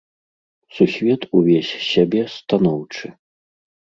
Сусвет увесь з сябе станоўчы.